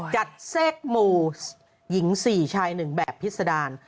จัดเสกหมู่หญิง๔ชายหนึ่งแบบพิศดาล